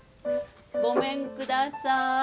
ごめんください。